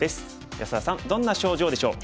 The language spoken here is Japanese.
安田さんどんな症状でしょう？